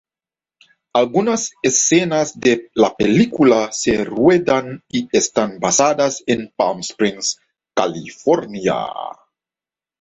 Algunas escenas de la película se ruedan y están basadas en Palm Springs, California.